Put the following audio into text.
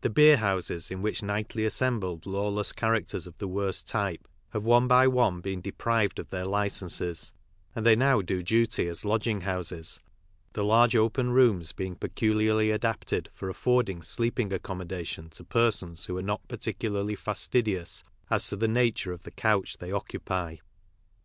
The beerhouses in which nightly assembled lawless characters of the worst type have one by one been deprived of their licences, and they now do duty as lodging houses, the large open rooms being peculiarly adapted for affording sleeping accommodation to persona who are not particularly fastidious as to the nature of the couch they occupy.